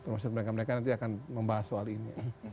termasuk mereka mereka nanti akan membahas soal ini